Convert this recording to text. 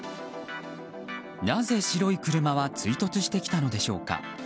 なぜ白い車は追突してきたのでしょうか。